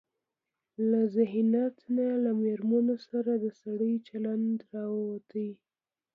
له ذهنيت نه له مېرمنو سره د سړيو چلن راوتى.